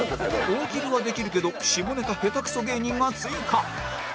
大喜利はできるけど下ネタへたくそ芸人が追加